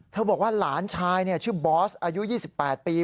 บอกว่าหลานชายชื่อบอสอายุ๒๘ปี